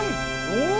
お！